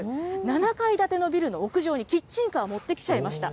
７階建てのビルの屋上に、キッチンカー持ってきちゃいました。